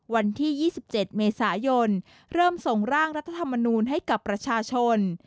วันที่๒๗เมษายนเริ่มส่งร่างรัฐธรรมนูลให้กับประชาชน